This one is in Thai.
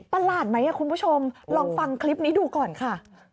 หลาดไหมคุณผู้ชมลองฟังคลิปนี้ดูก่อนค่ะ